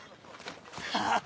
ハハハ！